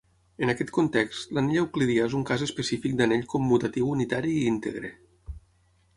En aquest context, l'anell euclidià és un cas específic d'anell commutatiu unitari i integre.